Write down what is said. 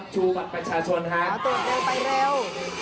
ติดเร็วไปเร็ว